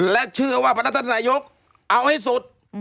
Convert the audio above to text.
และเชื่อว่าพนักท่านนายกเอาให้สุด